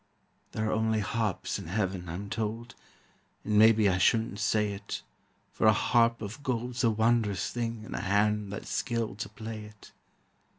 There are only harps in heaven, I'm told, And maybe I shouldn't say it, For a harp of gold's a wondrous thing In a hand that's skilled to play it.